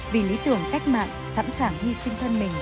vì lý tưởng cách mạng sẵn sàng hy sinh thân mình